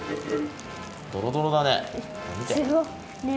ドロドロだね。